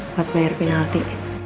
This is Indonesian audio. buat bayar penalti